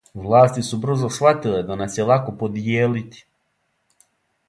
Власти су брзо схватиле да нас је лако подијелити.